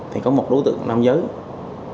thì có một đối tượng nam giới